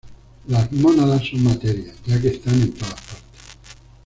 Las mónadas son materia, ya que están en todas partes.